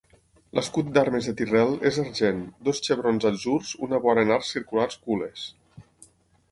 L'escut d'armes de Tyrrell és argent, dos xebrons atzurs, una vora en arcs circulars gules.